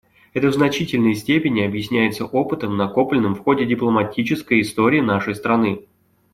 Это в значительной степени объясняется опытом, накопленным в ходе дипломатической истории нашей страны.